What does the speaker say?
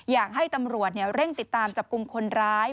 อยากให้ตำรวจเร่งติดตามจับกลุ่มคนร้าย